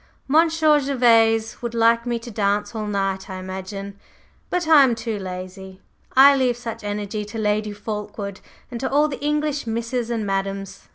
Monsieur Gervase would like me to dance all night, I imagine; but I am too lazy. I leave such energy to Lady Fulkeward and to all the English misses and madams.